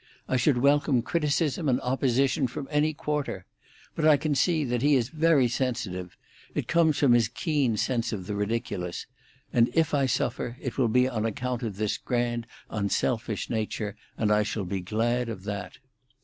I should welcome criticism and opposition from any quarter. But I can see that he is very sensitive—it comes from his keen sense of the ridiculous—and if I suffer, it will be on account of this grand unselfish nature, and I shall be glad of that.